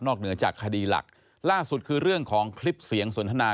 เหนือจากคดีหลักล่าสุดคือเรื่องของคลิปเสียงสนทนา